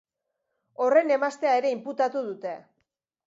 Horren emaztea ere inputatu dute.